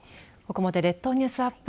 ここまで列島ニュースアップ